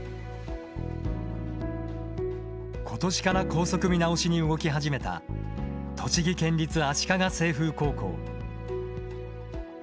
ことしから校則見直しに動き始めた栃木県立足利清風高校。